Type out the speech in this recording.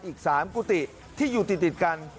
อีก๓กุฏิที่อยู่ติดกัน